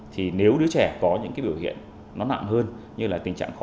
thì nếu đứa trẻ có những cái biểu hiện nó nặng hơn như là tình trạng khó